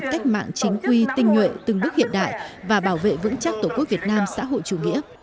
cách mạng chính quy tinh nhuệ từng bước hiện đại và bảo vệ vững chắc tổ quốc việt nam xã hội chủ nghĩa